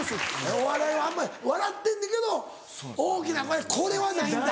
お笑いはあんまり笑ってんねけど大きな声でこれはないんだ。